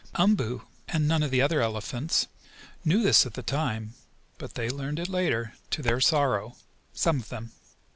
Umboo, and none of the other elephants knew this at the time, but they learned it later, to their sorrow, some of them.